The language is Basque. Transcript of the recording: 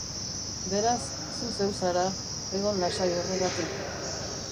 Beraz, zu zeu zara, egon lasai horregatik.